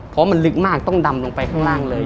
เพราะมันลึกมากต้องดำลงไปข้างล่างเลย